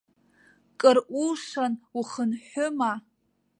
Кыр улшан ухынҳәыма?